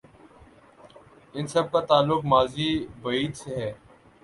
ان سب کا تعلق ماضی بعید سے ہے۔